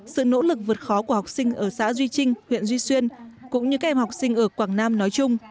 sự nỗ lực vượt khó của học sinh ở xã duy trinh huyện duy xuyên cũng như các em học sinh ở quảng nam nói chung